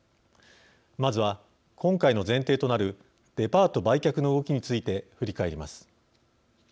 まずは、今回の前提となるデパート売却の動きについて振り返ります。